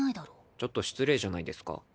ちょっと失礼じゃないですか。